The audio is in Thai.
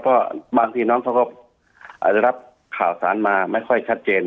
ก็บางทีน้องเขาก็อาจจะรับข่าวสารมาไม่ค่อยชัดเจน